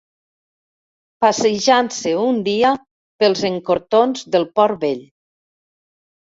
Passejant-se un dia pels encortorns del Port vell